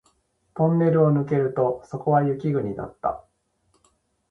トンネルを抜けるとそこは雪国だった